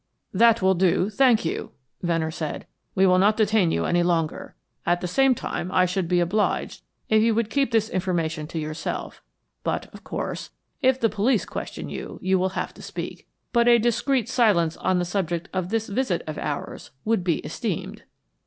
"That will do, thank you," Venner said. "We will not detain you any longer. At the same time I should be obliged if you would keep this information to yourself; but, of course, if the police question you, you will have to speak. But a discreet silence on the subject of this visit of ours would be esteemed."